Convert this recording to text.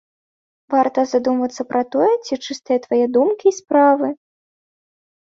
Варта задумацца пра тое, ці чыстыя твае думкі і справы.